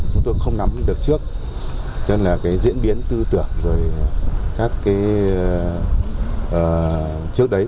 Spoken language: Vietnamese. chúng tôi cũng không nắm được trước cho nên là cái diễn biến tư tưởng rồi các cái trước đấy